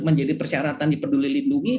menjadi persyaratan diperduli lindungi